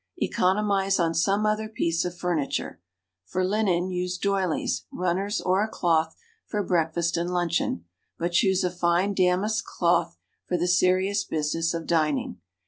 Economize on some other piece of furniture. For linen, use doilies, runners or a cloth for breakfast and luncheon, but choose a fine damask cloth for the serious business of dining.